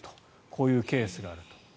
こういうケースがある。